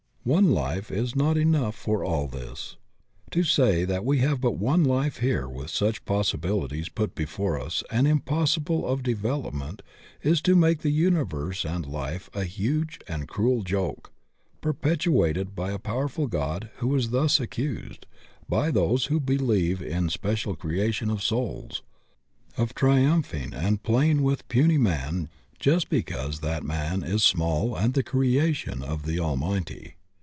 One life is not enough for all this. To say that we have but one life here with such possibilities put before us and impos sible of development is to make the universe and life a huge and cruel joke perpetrated by a powerful God who is thus accused, by diose who believe in a spe cial creation of souls, of triumphing and playing with puny man just because that man is small and the crea ture of the Almighty.